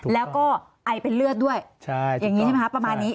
แล้วก็ไอเป็นเลือดด้วยอย่างนี้ใช่ไหมคะประมาณนี้